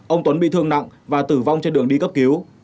ông tuấn bị thương nặng và tử vong trên đường đi cấp cứu